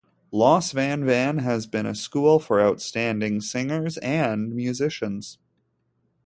Los Van Van has been a school for outstanding singers and musicians.